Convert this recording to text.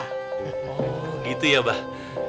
oh gitu ya mbah